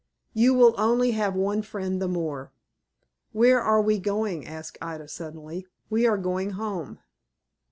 You will only have one friend the more." "Where are we going?" asked Ida, suddenly. "We are going home."